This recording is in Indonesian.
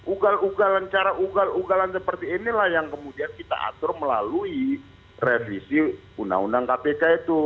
ugal ugalan cara ugal ugalan seperti inilah yang kemudian kita atur melalui revisi undang undang kpk itu